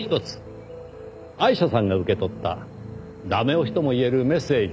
アイシャさんが受け取った駄目押しともいえるメッセージ。